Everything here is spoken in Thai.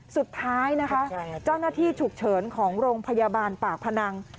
สุดท้ายนะคะเจ้าหน้าที่ฉุกเฉินของโรงพยาบาลปากพนัง